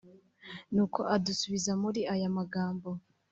nuko adusubiza muri aya magambo